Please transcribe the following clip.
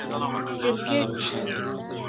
🏏 کرکټ